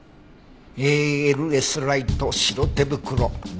ＡＬＳライト白手袋ルーペ。